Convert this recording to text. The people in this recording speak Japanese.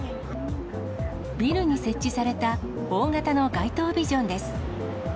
ビルに設置された大型の街頭ビジョンです。